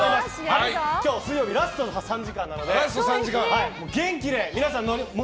水曜日ラストの３時間なので元気で。